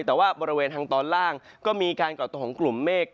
แต่ว่าบริเวณทางตอนล่างก็มีการก่อตัวของกลุ่มเมฆ